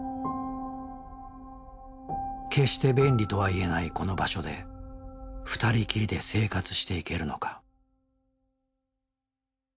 決して便利とは言えないこの場所で二人きりで生活していけるのか。